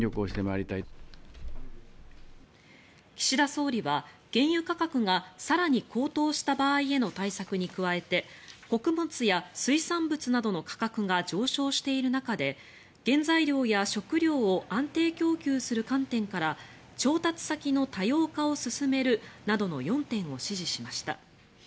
岸田総理は原油価格が更に高騰した場合への対策に加えて穀物や水産物などの価格が上昇している中で原材料や食料を安定供給する観点から調達先の多様化を進めるなどの４点を指示しました。